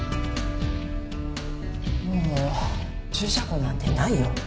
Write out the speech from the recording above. もう注射痕なんてないよ。